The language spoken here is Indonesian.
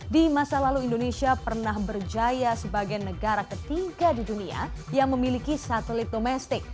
di masa lalu indonesia pernah berjaya sebagai negara ketiga di dunia yang memiliki satelit domestik